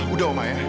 udah oma ya